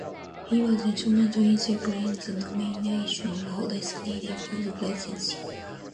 He was instrumental in securing the nomination of Horace Greeley for the presidency.